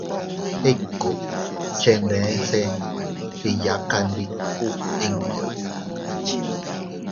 Ikut chenbese eyakandiku inña.